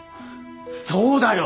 そうだよ。